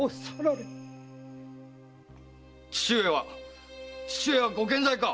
父上は父上はご健在か？